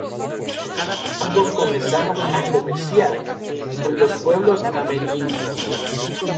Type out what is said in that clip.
Ambos comenzaron a comerciar con los pueblos amerindios.